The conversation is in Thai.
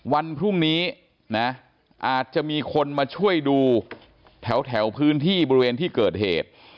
วันพรุ่งนี้นะอาจจะมีคนมาช่วยดูแถวพื้นที่บริเวณที่เกิดเหตุ